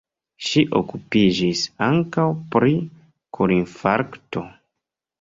Ŝi okupiĝis ankaŭ pri korinfarkto.